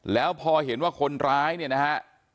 แล้วพอเห็นว่าคนร้ายเนี่ยนะฮะ